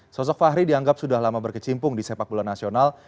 sosok fahri dianggap sudah lama berkecimpung di sepak bola nasional